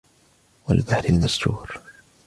والبحر المسجور